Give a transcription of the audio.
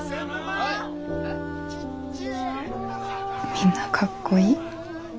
・みんなかっこいい。